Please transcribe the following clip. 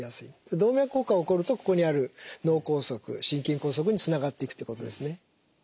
動脈硬化が起こるとここにある脳梗塞心筋梗塞につながっていくということですね。